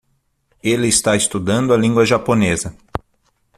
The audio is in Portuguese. Ele está estudando a língua Japonesa.